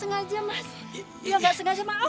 dia gak sengaja maaf ya